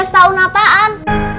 tujuh belas tahun apaan